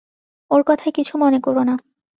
ওর কথায় কিছু মনে কোরো না।